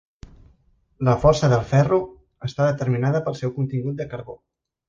La força del ferro està determinada pel seu contingut de carbó.